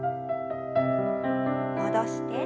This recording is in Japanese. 戻して。